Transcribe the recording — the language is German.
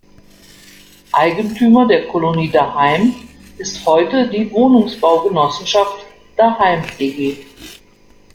Eigentümer der Kolonie Daheim ist heute die "Wohnungsbaugenossenschaft „Daheim“ eG".